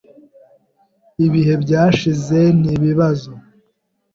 Ibihe byashize n'ibizaza.